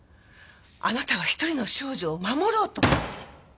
あなたは一人の少女を守ろうと。